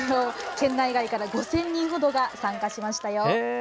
県内外から５０００人程が参加しましたよ。